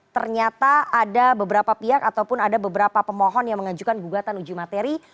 ternyata ada beberapa pihak ataupun ada beberapa pemohon yang mengajukan gugatan uji materi